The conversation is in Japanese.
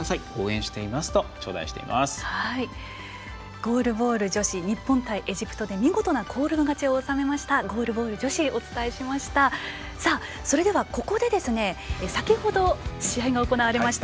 ゴールボール女子日本対エジプトで見事なコールド勝ちを収めましたゴールボール女子をお伝えしました。